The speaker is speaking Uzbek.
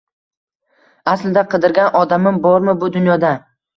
Aslida qidirgan odamim bormi bu dunyoda